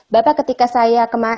bapak ketika saya